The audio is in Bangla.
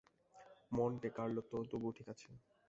মন্টে-কার্লো তো তবুও ঠিক আছে।